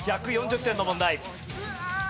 １４０点の問題。